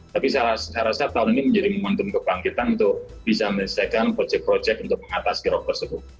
tapi secara sehat tahun ini menjadi momentum kebangkitan untuk bisa menyelesaikan proyek proyek untuk mengatas girob tersebut